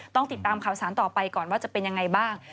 ต้องติดตามข่าวสารต่อไปก่อนว่าจะเป็นยังไงบ้าง